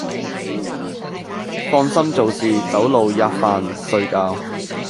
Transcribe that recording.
放心做事走路喫飯睡覺，